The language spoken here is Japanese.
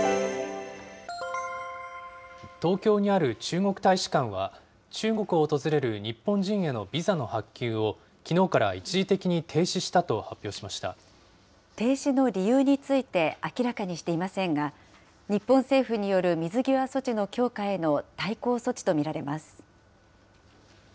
東京にある中国大使館は、中国を訪れる日本人へのビザの発給を、きのうから一時的に停止し停止の理由について明らかにしていませんが、日本政府による水際措置の強化への対抗措置と見られます。